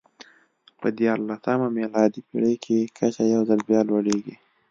په دیارلسمه میلادي پېړۍ کې کچه یو ځل بیا لوړېږي.